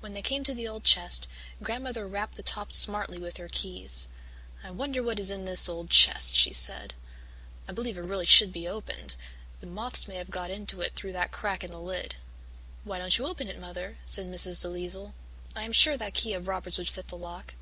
When they came to the old chest, Grandmother rapped the top smartly with her keys. "I wonder what is in this old chest," she said. "I believe it really should be opened. The moths may have got into it through that crack in the lid." "Why don't you open it, Mother?" said Mrs. DeLisle. "I am sure that key of Robert's would fit the lock."